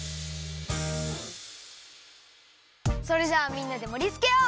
それじゃあみんなでもりつけよう！